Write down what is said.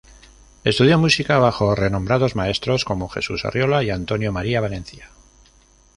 Estudió música bajo renombrados maestros como Jesús Arriola y Antonio María Valencia.